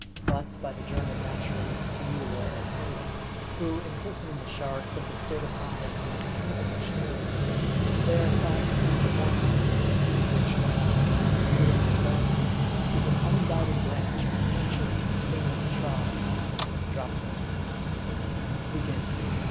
But by the German naturalists Miiller and Henle, who, in christening the sharks, have bestowed upon them the most heathenish names, they are classed under one family ; which family, according to Miiller, king at arms, is an un doubted branch of the ancient and famous tribe of the Chon dropterygii. To begin.